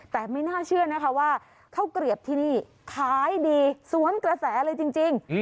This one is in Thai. แต่ไม่น่าเชื่อนะคะว่าข้าวเกลียบที่นี่ขายดีสวนกระแสเลยจริง